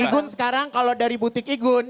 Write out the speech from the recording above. meskipun sekarang kalau dari butik igun